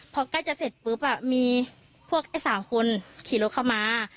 พอใกล้จะเสร็จปุ๊บมีพวกไอ้๓คนขี่รถเข้ามา